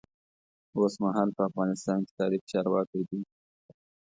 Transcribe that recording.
اوسمهال په افغانستان کې طالب چارواکی دی.